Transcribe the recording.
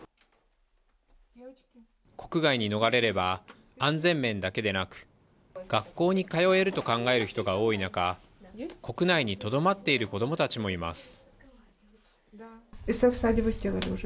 国外に逃れれば安全面だけでなく、学校に通えると考える人が多い中、国内にとどまっている子供たちもいます。